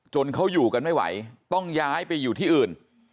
เขาอยู่กันไม่ไหวต้องย้ายไปอยู่ที่อื่น